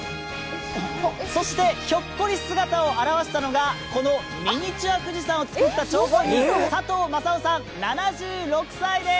そしてひょっこり姿を現したのが、このミニチュア富士山を作った張本人佐藤正男さん、７６歳です。